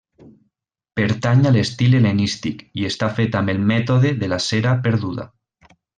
Pertany a l'estil hel·lenístic i està fet amb el mètode de la cera perduda.